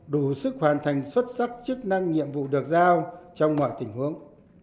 đủ sức hoàn thành xuất sắc chức năng nhiệm vụ được giao trong mọi tình huống